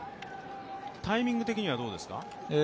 タイミング的にはどうですか？